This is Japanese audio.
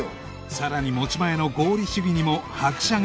さらに持ち前の合理主義にも拍車が